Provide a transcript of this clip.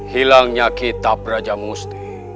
hilangnya kitab raja musti